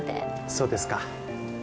そうですか。